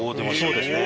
そうですね。